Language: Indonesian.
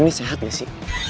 lo nih sehat gak sih